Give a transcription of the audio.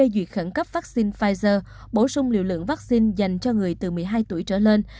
duyệt khẩn cấp vaccine pfizer bổ sung liều lượng vaccine dành cho người từ một mươi hai tuổi trở lên